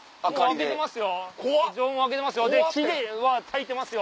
城門開けてますよ